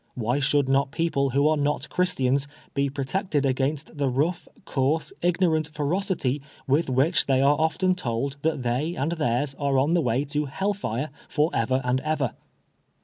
Why should not people who are not Christians be protected against the rough, coarse, ignorant ferocity with which they are often told that they and theirs are on the way to hell fire for ever and ever?